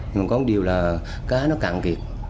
mình có một điều là cá nó cạn kiệt